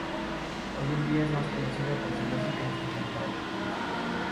Hoy en día es más conocido por su música instrumental.